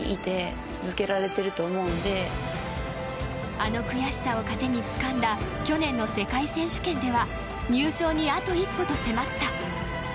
あの悔しさを糧につかんだ去年の世界選手権では入賞にあと一歩と迫った。